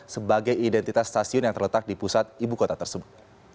sebagai identitas stasiun yang terletak di pusat ibu kota tersebut